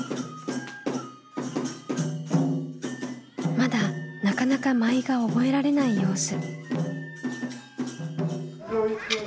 まだなかなか舞が覚えられない様子。